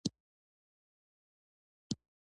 زه، احسان او همدرد په خبرو شولو.